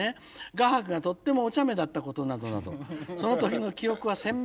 「画伯がとってもおちゃめだったことなどなどその時の記憶は鮮明に残っております。